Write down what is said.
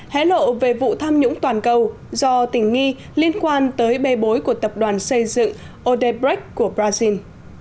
hé lộ về vụ tham nhũng toàn cầu do tình nghi liên quan tới bê bối của tập đoàn xây dựng odepex của brazil